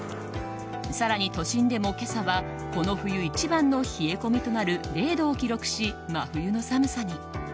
更に、都心でも今朝はこの冬一番の冷え込みとなる０度を記録し、真冬の寒さに。